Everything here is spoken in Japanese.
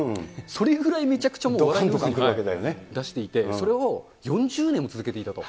それぐらいめちゃくちゃ笑いを出していて、それを４０年も続けていたと。